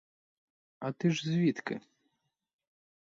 А ти ж звідки?